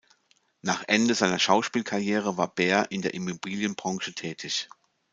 Nach Ende seiner Schauspielkarriere war Baer in der Immobilienbranche tätig.